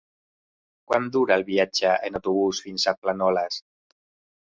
Quant dura el viatge en autobús fins a Planoles?